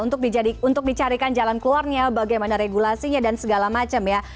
untuk dicarikan jalan keluarnya bagaimana regulasinya dan segala macam ya